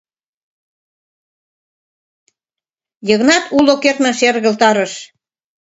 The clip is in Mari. — Йыгнат уло кертмын шергылтарыш.